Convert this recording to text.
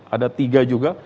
ada tiga juga